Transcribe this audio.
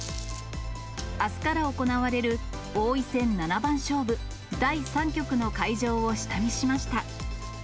あすから行われる王位戦七番勝負第３局の会場を下見しました。